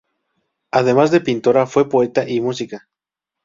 Además de pintora, fue poeta y música.